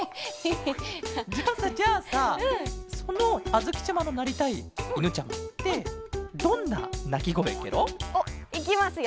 ヘヘッ。じゃあさじゃあさそのあづきちゃまのなりたいいぬちゃまってどんななきごえケロ？おっいきますよ。